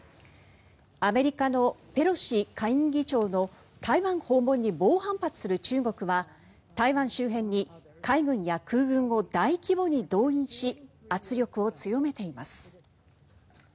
アメリカのペロシ下院議長の台湾訪問に猛反発する中国は台湾周辺に海軍や空軍を大規模に動員し圧力を強めています。